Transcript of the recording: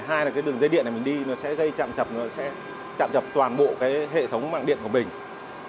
hai là cái đường dây điện này mình đi nó sẽ chạm chập toàn bộ hệ thống mạng điện của mình